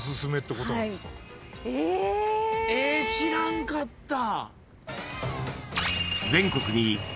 知らんかった。